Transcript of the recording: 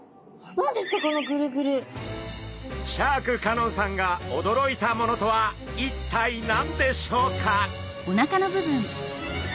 シャーク香音さんが驚いたものとは一体何でしょうか？